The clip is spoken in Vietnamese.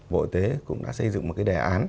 bộ y tế cũng đã xây dựng một cái đề án